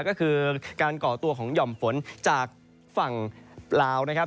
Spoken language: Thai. ก็คือการก่อตัวของหย่อมฝนจากฝั่งลาวนะครับ